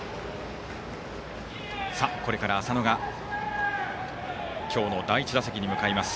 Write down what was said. これから浅野が今日の第１打席に向かいます。